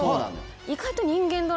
意外と。